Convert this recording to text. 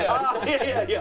いやいや。